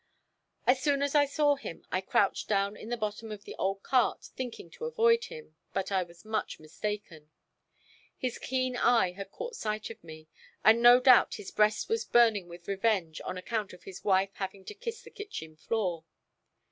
As soon as I saw him I crouched down in the bottom of the old cart thinking to avoid him, but I was much mistaken. His keen eye had caught sight of me, and no doubt his breast was burning with revenge on account of his wife having to kiss the kitchen floor.